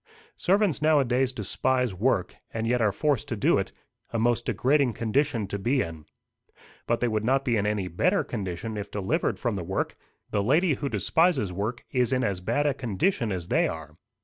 Servants nowadays despise work, and yet are forced to do it a most degrading condition to be in. But they would not be in any better condition if delivered from the work. The lady who despises work is in as bad a condition as they are.